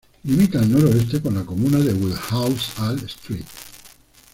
Limita al noroeste con la comuna de Wildhaus-Alt St.